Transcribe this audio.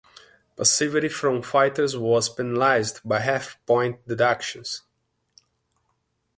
Passivity from fighters was penalized by half point deductions.